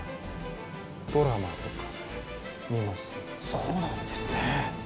そうなんですね。